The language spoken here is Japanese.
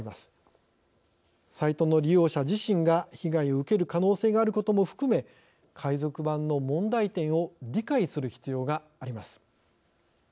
サイトの利用者自身が被害を受ける可能性があることも含め海賊版の問題点を理解する必要があります。